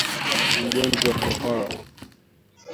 Magonjwa ya kuhara